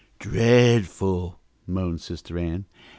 "Dreadful!" moaned Sister Ann.